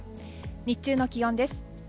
日中の気温です。